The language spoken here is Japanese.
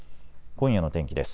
今夜の天気です。